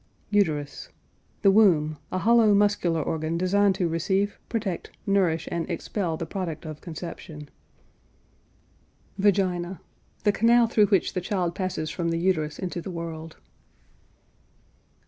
UTERUS. The womb: a hollow muscular organ designed to receive, protect, nourish, and expel the product of conception. VAGINA. The canal through which the child passes from the uterus into the world.